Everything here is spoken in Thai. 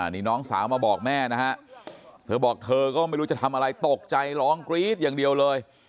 นี่น้องสาวมาบอกแม่นะฮะเธอบอกเธอก็ไม่รู้จะทำอะไรตกใจร้องกรี๊ดอย่างเดียวเลย